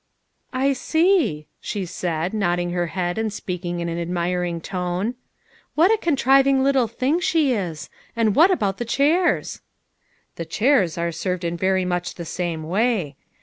" I see," she said, nodding her head and speak ing in an admiring tone. " What a contriving little thing she is! And what about the chairs?" "The chairs are served in very much the same way.